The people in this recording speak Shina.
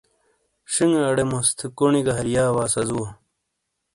شِینگے اڑے موس تھے کونْی گہ ہرََیا وا سہ زُوو۔